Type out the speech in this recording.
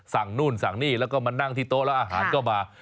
นู่นสั่งนี่แล้วก็มานั่งที่โต๊ะแล้วอาหารก็มา